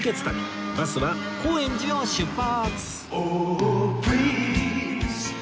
バスは高円寺を出発